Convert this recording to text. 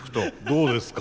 どうですか？